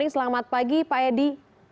selamat pagi pak edi